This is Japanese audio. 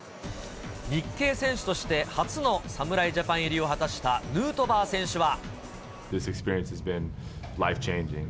日系選手として初の侍ジャパン入りを果たしたヌートバー選手は。